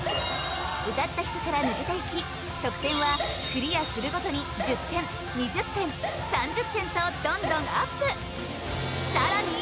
歌った人から抜けていき得点はクリアするごとに１０点２０点３０点とどんどんＵＰさらに